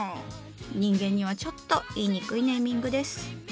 人間にはちょっと言いにくいネーミングです。